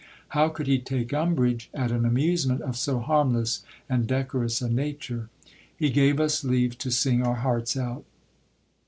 How could he take umbrage at an amusement of so harmless and decorous a nature ? He gave us leave to sing our hearts out.